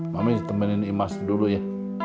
mami temenin imas dulu ya